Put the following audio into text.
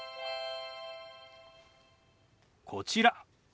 こちら。